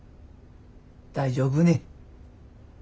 大丈夫ね？